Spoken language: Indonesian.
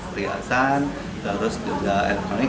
perhiasan terus juga elektronik